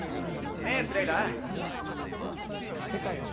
ねえスレイダー？